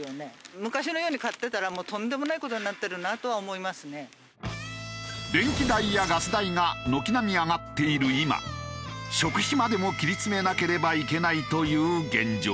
一方電気代やガス代が軒並み上がっている今食費までも切り詰めなければいけないという現状。